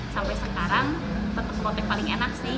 sampai sekarang tetap ngotek paling enak sih